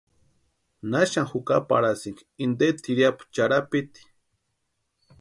¿Naxani jukaparaski inte tiriapu charhapiti?